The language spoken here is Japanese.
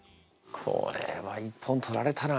これは一本取られたな。